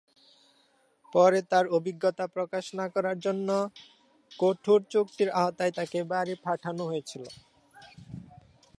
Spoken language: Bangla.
পরে তার অভিজ্ঞতা প্রকাশ না করার জন্য কঠোর চুক্তির আওতায় তাকে বাড়ি পাঠানো হয়েছিল।